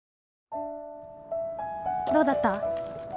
どうだった？